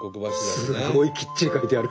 すごいきっちり書いてある。